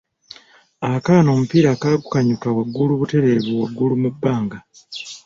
Akaana omupiira kagukanyuka waggulu butereevu waggulu mu bbanga.